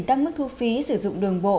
tăng mức thu phí sử dụng đường bộ